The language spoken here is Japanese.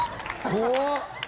怖っ！